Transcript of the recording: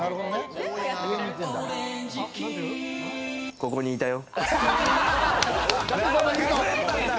ここにいたよ。